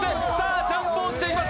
ジャンプをしています